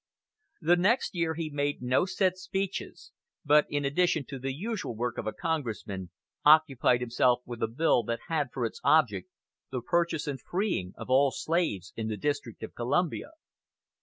The next year he made no set speeches, but in addition to the usual work of a congressman occupied himself with a bill that had for its object the purchase and freeing of all slaves in the District of Columbia.